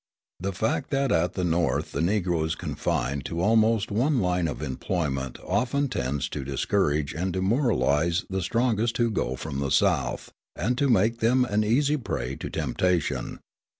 The fact that at the North the Negro is confined to almost one line of employment often tends to discourage and demoralise the strongest who go from the South, and to make them an easy prey to temptation.